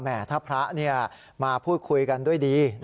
แหมถ้าพระเนี่ยมาพูดคุยกันด้วยดี